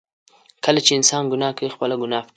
کله چې انسان ګناه کوي، خپله ګناه پټوي.